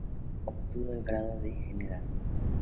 Obtuvo el grado, de general.